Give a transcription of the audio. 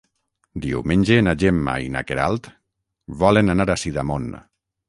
Diumenge na Gemma i na Queralt volen anar a Sidamon.